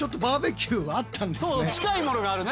そう近いものがあるね。